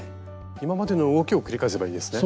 今までの動きを繰り返せばいいですね？